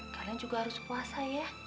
kadang juga harus puasa ya